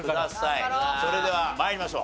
それでは参りましょう。